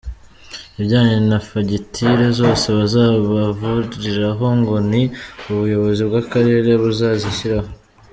Ibijyanye na fagitire zose bazabavuriraho ngo ni ubuyobozi bw’akarere buzazishyura.